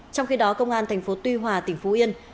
trong khi đó công an tp tuy hòa tỉnh phú yên